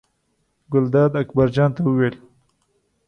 ګلداد اکبر جان ته وویل.